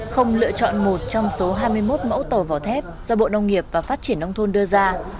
không lựa chọn một trong số hai mươi một mẫu tàu vỏ thép do bộ nông nghiệp và phát triển nông thôn đưa ra